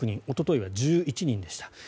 おとといは１１人でした。